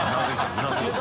うなずいてる。